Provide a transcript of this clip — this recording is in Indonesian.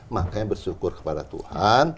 makanya bersyukur kepada tuhan